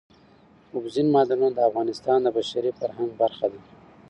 اوبزین معدنونه د افغانستان د بشري فرهنګ برخه ده.